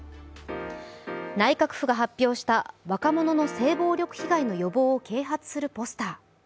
内閣府が発表した若者の性暴力被害の予防を啓発するポスター。